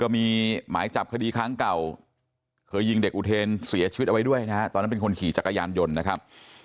มีหมายจับคดีครั้งเก่าเคยยิงเด็กอุเทนเสียชีวิตเอาไว้ด้วยนะฮะตอนนั้นเป็นคนขี่จักรยานยนต์นะครับ